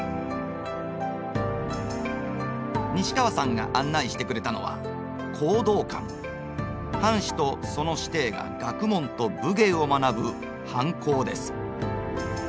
西川さんが案内してくれたのは藩士とその師弟が学問と武芸を学ぶ藩校です。